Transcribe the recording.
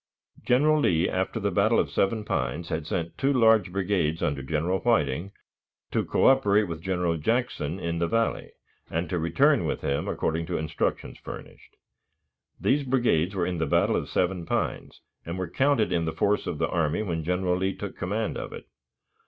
General Lee, after the battle of Seven Pines, had sent two large brigades under General Whiting to coöperate with General Jackson in the Valley, and to return with him, according to instructions furnished. These brigades were in the battle of Seven Pines, and were counted in the force of the army when General Lee took command of it.